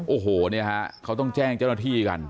โอ้โหเนี่ยฮะเขาต้องแจ้งเจ้าหน้าที่กัน